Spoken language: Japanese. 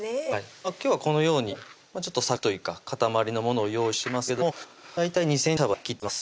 今日はこのように柵というか塊のものを用意してますけども大体２ｃｍ幅に切っていきます